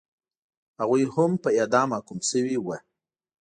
هغوی هم په اعدام محکوم شوي وو.